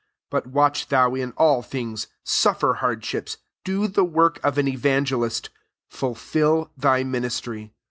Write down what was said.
5 But watch thou in all things, suffer hardships, do the work of an evangelistf fulfil thy ministry.